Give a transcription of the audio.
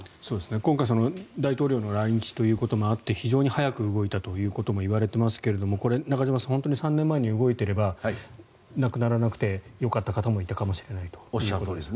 今回大統領の来日ということもあって非常に早く動いたということも言われていますが中島さん本当に３年前に動いていれば亡くならなくて済んだ方もいたかもしれないということですね。